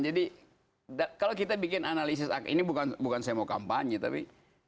jadi kalau kita bikin analisis ini bukan saya mau kampanye tapi